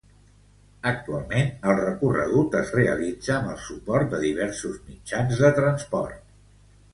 Actualment el recorregut es realitza amb el suport de diversos mitjans de transport.